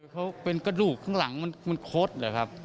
เขาเป็นกระดูกข้างหลังมันคดเหรอครับ